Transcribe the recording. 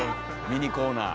ミニコーナー。